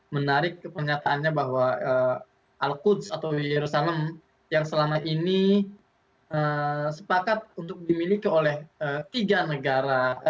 menarik pernyataannya bahwa al qudz atau yerusalem yang selama ini sepakat untuk dimiliki oleh tiga negara